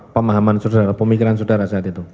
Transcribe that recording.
pemahaman saudara pemikiran saudara saat itu